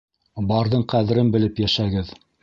Барҙың ҡәҙерен белеп йәшәгеҙ!